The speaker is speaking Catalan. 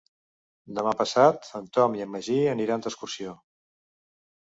Demà passat en Tom i en Magí aniran d'excursió.